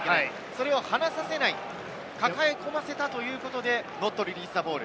その離させない、抱え込ませたということで、ノットリリースザボール。